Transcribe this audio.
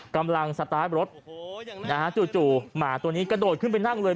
กำลังสตาร์ทรถนะฮะจู่หมาตัวนี้กระโดดขึ้นไปนั่งเลย